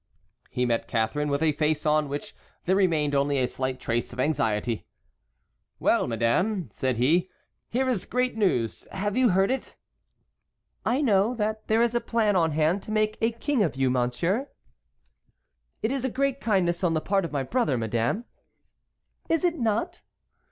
He met Catharine with a face on which there remained only a slight trace of anxiety. "Well, madame," said he, "here is great news; have you heard it?" "I know that there is a plan on hand to make a king of you, monsieur." "It is a great kindness on the part of my brother, madame." "Is it not?"